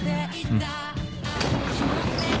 うん。